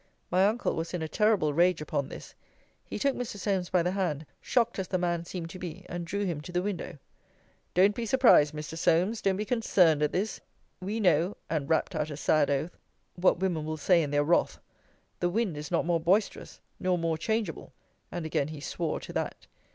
My uncle was in a terrible rage upon this. He took Mr. Solmes by the hand, shocked as the man seemed to be, and drew him to the window Don't be surprised, Mr. Solmes, don't be concerned at this. We know, and rapt out a sad oath, what women will say in their wrath: the wind is not more boisterous, nor more changeable; and again he swore to that.